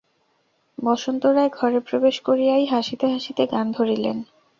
বসন্ত রায় ঘরে প্রবেশ করিয়াই হাসিতে হাসিতে গান ধরিলেন।